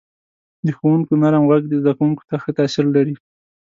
• د ښوونکو نرم ږغ زده کوونکو ته ښه تاثیر لري.